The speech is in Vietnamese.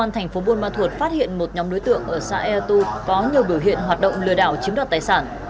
tp bun ma thuột phát hiện một nhóm đối tượng ở xã ea tu có nhiều biểu hiện hoạt động lừa đảo chiếm đoạt tài sản